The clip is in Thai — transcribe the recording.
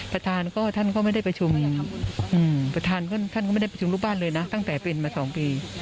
ประธานก็ท่านไม่ได้ประชุมลูกบ้านเลยนะตั้งแต่เป็นมา๒ปี